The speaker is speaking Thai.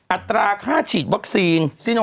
อัตราค่าฉีดวัคซีนซิโน